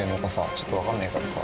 ちょっとわかんねえからさ。